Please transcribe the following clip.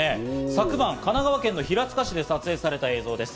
昨晩、神奈川県平塚市で撮影された映像です。